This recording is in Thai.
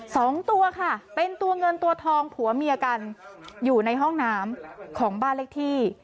สองตัวค่ะเป็นตัวเงินตัวทองผัวเมียกันอยู่ในห้องน้ำของบ้านเลขที่